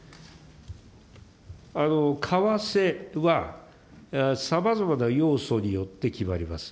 為替はさまざまな要素によって決まります。